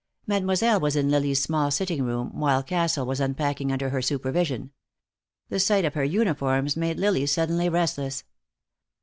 Mademoiselle was in Lily's small sitting room, while Castle was unpacking under her supervision. The sight of her uniforms made Lily suddenly restless.